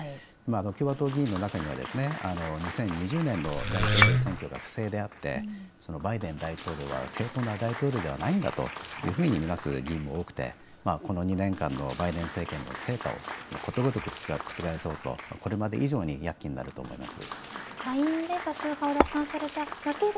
共和党議員の中には２０２０年の大統領選挙で不正であって、バイデン大統領は正当な大統領ではないんだというふうに見なす議員も多く、この２年間のバイデン政権の成果をことごとく覆そうとこれまで以上に躍起になるだろうと思います。